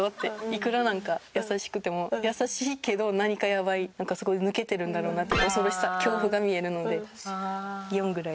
いくらなんか優しくても優しいけど何かやばいなんかすごい抜けてるんだろうなって恐ろしさ恐怖が見えるので４ぐらい。